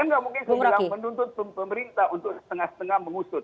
kan nggak mungkin saya bilang menuntut pemerintah untuk setengah setengah mengusut